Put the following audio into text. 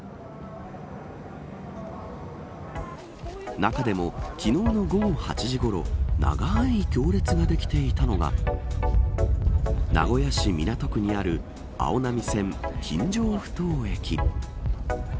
中でも昨日の午後８時ごろ長い行列ができていたのが名古屋市港区にあるあおなみ線、金城ふ頭駅。